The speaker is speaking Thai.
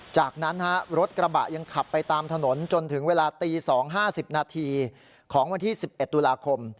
จากนั้นรถกระบะยังขับไปตามถนนจนถึงเวลาตี๒๕๐นาทีของวันที่๑๑ตุลาคม